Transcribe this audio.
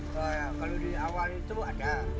kalau di awal itu ada